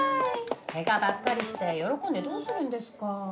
ケガばっかりして喜んでどうするんですか。